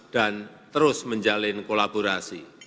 dan terus menjalin kolaborasi